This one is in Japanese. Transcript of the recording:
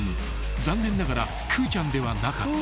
［残念ながらくーちゃんではなかった］